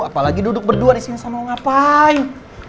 apalagi duduk berdua disini sama lu ngapain